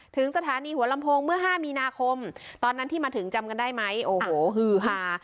ถึงสถานีหัวลำโพงเมื่อ๕มีนาคมตอนนั้นที่มาถึงจำกันได้ไหมโอ้โหฮือฮา